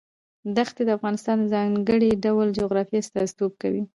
دښتې د افغانستان د ځانګړي ډول جغرافیه استازیتوب کوي.